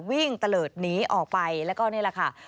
ตะเลิศหนีออกไปแล้วก็นี่แหละค่ะ